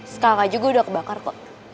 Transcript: sekarang aja gue udah kebakar kok